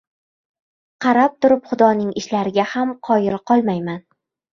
— Qarab turib Xudoning ishlariga ham qoyil qolmayman.